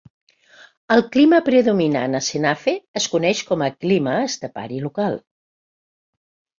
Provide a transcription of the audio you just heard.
El clima predominant a Senafe es coneix com a clima estepari local.